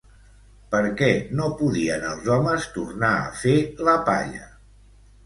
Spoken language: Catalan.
Per què no podien els homes tornar a fer la palla?